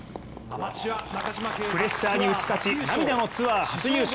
プレッシャーに打ち勝ち、涙のツアー初優勝。